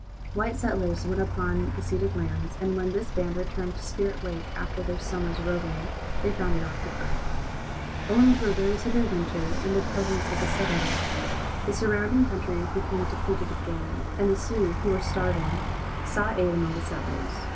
White settlers went upon the ceded lands, and when this band returned to Spirit Lake after their summer's roving they found it occupied. Owing to a very severe winter and the presence of the settlements, the surrounding country became depleted of game, and the Sioux, who were starving, sought aid among the settlers.